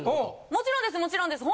もちろんですもちろんです。